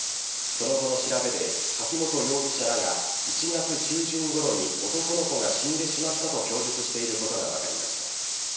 その後の調べで、柿本容疑者らが、１月中旬ごろに男の子が死んでしまったと供述していることが分かりました。